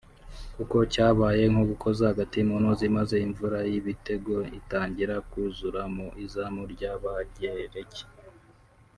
kuko cyabaye nko gukoza agati mu ntozi maze imvura y’ibitego itangira kuzura mu izamu ry’Abagereki